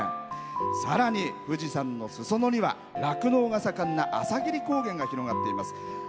さらに富士山のすそ野には酪農が盛んな朝霧高原が広がっています。